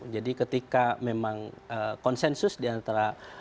jadi ketika memang konsensus diantara